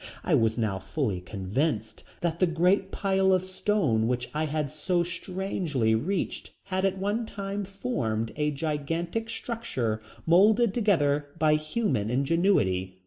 I was now fully convinced that the great pile of stone which I had so strangely reached had at one time formed a gigantic structure moulded together by human ingenuity.